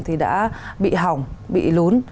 thì đã bị hỏng bị lún